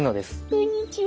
こんにちは。